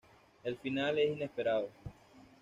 El final es inesperado.